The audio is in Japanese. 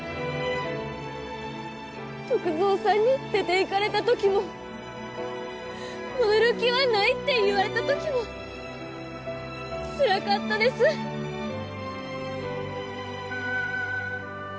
篤蔵さんに出て行かれたときも戻る気はないって言われたときもつらかったですあ